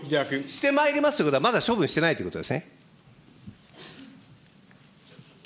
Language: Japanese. してまいりますということは、まだ処分してないということですね。